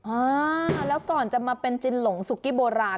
อ่าแล้วก่อนจะมาเป็นจินหลงสุกี้โบราณ